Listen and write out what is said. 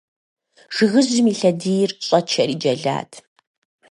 Жыгыжьым и лъэдийр щӀэчэри джэлат.